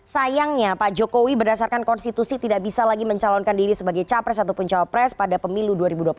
sayangnya pak jokowi berdasarkan konstitusi tidak bisa lagi mencalonkan diri sebagai capres ataupun cawapres pada pemilu dua ribu dua puluh